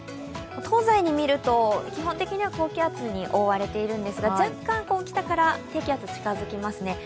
東西に見ると基本的には高気圧に覆われているんですが、若干、北から低気圧が近づきますね